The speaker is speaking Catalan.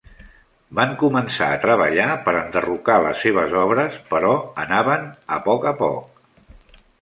Van començar a treballar per enderrocar les seves obres, però anaven a poc a poc.